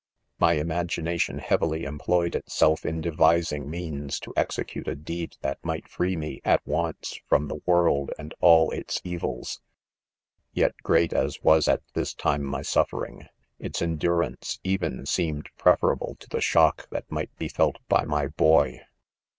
My imagination heavily . em ployed itself in devising means' to execute a deed that might, free me, at once, from the world and all its evils* Yet great as was at ■this time $ my suffering, its endurance even seemed preferable to the shock that might he felt by my boy